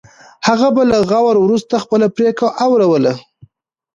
هغه به له غور وروسته خپله پرېکړه اوروله.